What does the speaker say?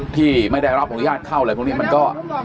ที่ไม่ได้รับอนุญาตเข้าอะไรพวกนี้มันก็